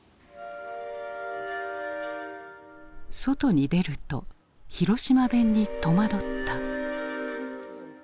外に出ると広島弁に戸惑った。